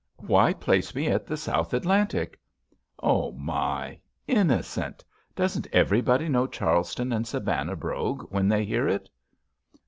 "Why place me at the South Atlantic?" "Oh my! Innocent! Doesn't everybody know Charleston and Savannah brogue A^hen they hear it?"